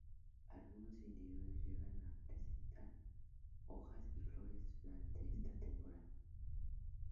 Algunos individuos llegan a presentan hojas y flores durante esta temporada.